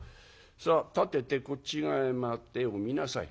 さあ立ててこっち側へ回って絵を見なさい」。